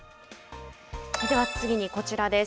では次にこちらです。